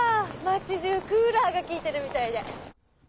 街中クーラーがきいてるみたいで。